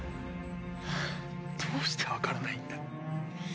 どうしてわからないんだ。